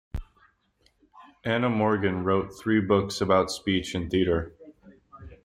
Anna Morgan wrote three books about speech and theatre.